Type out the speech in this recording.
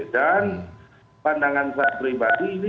dan pandangan saya pribadi